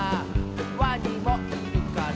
「ワニもいるから」